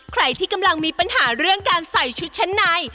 ใครที่กำลังมีปัญหาเรื่องการใส่ชุดชั้นใน